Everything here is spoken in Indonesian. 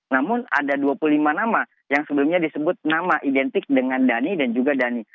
namun ada dua puluh lima nama yang sebelumnya disebut nama identik dengan dhani dan juga dhani